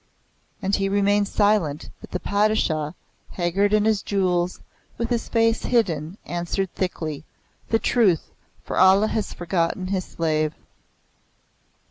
And he remained silent; but the Padishah, haggard in his jewels, with his face hidden, answered thickly, "The truth! For Allah has forgotten his slave."